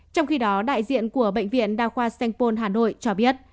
trong khi đó đại diện của bệnh viện đa khoa sanh pôn hà nội cho biết